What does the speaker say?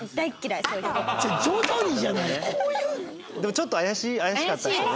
でもちょっと怪しかったですね。